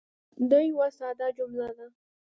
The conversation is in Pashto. دا یوه ساده جمله ده.